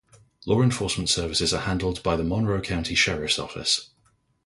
Law enforcement services are handled by the Monroe County Sheriff's Office.